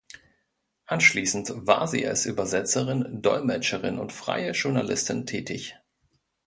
Anschließend war sie als Übersetzerin, Dolmetscherin und freie Journalistin tätig.